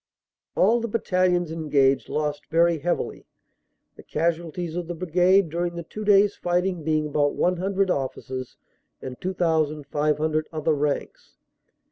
All the battalions engaged lost very heavily, the casualties of the Brigade during the two days fighting being about one hundred officers and 2,500 other ranks.